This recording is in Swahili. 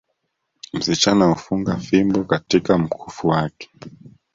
Msichana hufunga fimbo katika mkufu wake